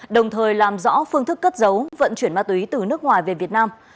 đồng thời làm rõ phương thức cất giấu vận chuyển ma túy từ nước ngoài về việt nam